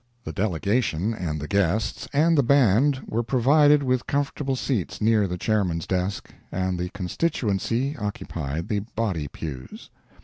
The delegation, and the guests, and the band, were provided with comfortable seats near the Chairman's desk, and the constituency occupied the body pews.